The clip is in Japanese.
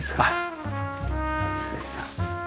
失礼します。